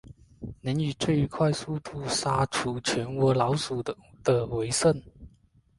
能以最快速度杀除全窝老鼠的为胜。